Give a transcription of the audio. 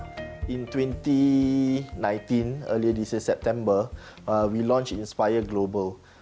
di tahun dua ribu sembilan belas awal ini september kita meluncurkan inspire global